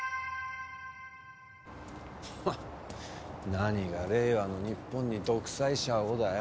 何が「令和の日本に独裁者を」だよ。